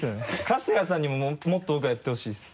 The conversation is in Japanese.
春日さんにももっと僕はやってほしいです。